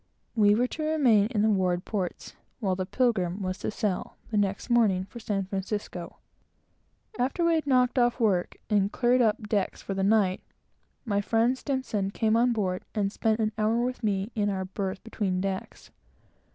We were to remain in the leeward ports, while the Pilgrim was to sail, the next morning, for San Francisco. After we had knocked off work, and cleared up decks for the night, my friend S came on board, and spent an hour with me in our berth between decks.